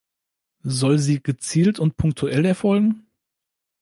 Soll sie gezielt und punktuell erfolgen?